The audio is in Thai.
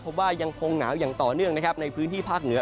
ว่ายังคงหนาวอย่างต่อเนื่องนะครับในพื้นที่ภาคเหนือ